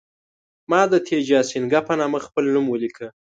ما د تیجاسینګه په نامه خپل نوم ولیکه.